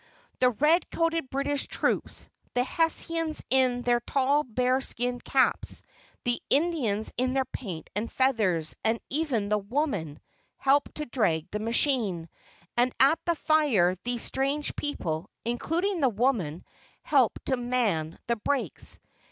The red coated British troops, the Hessians in their tall bear skin caps, the Indians in their paint and feathers, and even the "woman" helped to drag the machine, and at the fire these strange people, including the woman, helped to "man" the brakes.